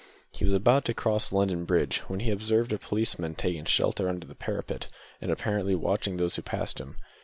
He was about to cross London Bridge, when he observed a policeman taking shelter under the parapet, and apparently watching those who passed him.